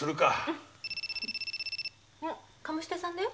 鴨志田さんだよ。